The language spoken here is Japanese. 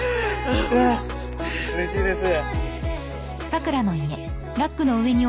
・あぁうれしいです。